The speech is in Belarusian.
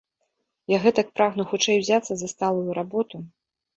Я гэтак прагну хутчэй узяцца за сталую работу.